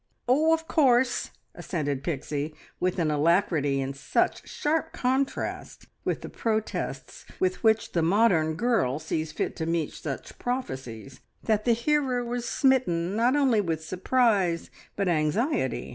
"Oh, of course," assented Pixie, with an alacrity in such sharp contrast with the protests with which the modern girl sees fit to meet such prophecies, that the hearer was smitten not only with surprise but anxiety.